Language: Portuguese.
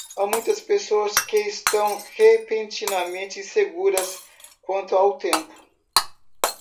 Há muitas pessoas que estão repentinamente inseguras quanto ao tempo.